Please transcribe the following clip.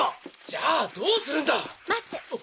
じゃあどうするんだ⁉待って！